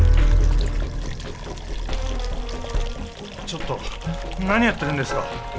ちょっと何やってるんですか？